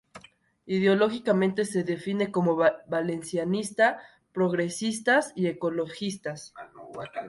Ideológicamente se define como valencianista, progresista y ecologista.